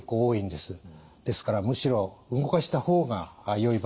ですからむしろ動かした方がよい場合があります。